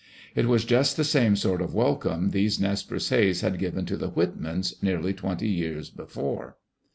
It was just the same sort of welcome these Nez Perces had given to the Whitmans, nearly twenty years before.